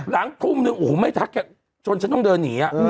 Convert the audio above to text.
ทุ่มนึงโอ้โหไม่ทักแกจนฉันต้องเดินหนี